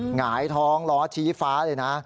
หงายท้องล้อชี้ฟ้าเลยนะ